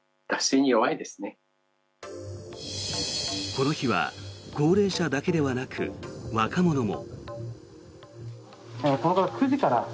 この日は高齢者だけではなく若者も。